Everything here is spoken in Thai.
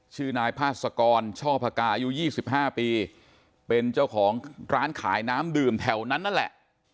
ชื่อนายพาสกรช่อพกาอายุ๒๕ปีเป็นเจ้าของร้านขายน้ำดื่มแถวนั้นนั่นแหละ